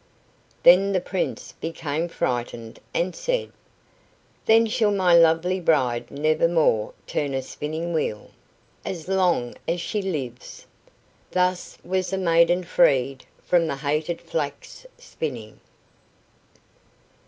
Then the Prince became frightened, and said: "Then shall my lovely bride never more turn a spinning wheel, as long as she lives!" Thus was the maiden freed from the hated flax spinning.